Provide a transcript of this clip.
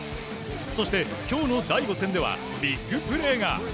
そして今日の第５戦ではビッグプレーが。